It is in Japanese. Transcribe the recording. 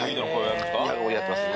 やってます。